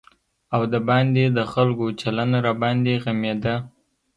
او د باندې د خلکو چلند راباندې غمېده.